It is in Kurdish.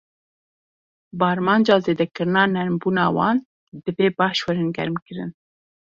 Bi armanca zêdekirina nermbûna wan, divê baş werin germkirin.